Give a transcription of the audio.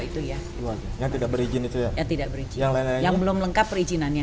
itu ya yang tidak berizin itu ya tidak berizin yang lainnya yang belum lengkap perizinannya